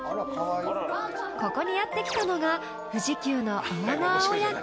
［ここにやって来たのが富士急のオーナー親子］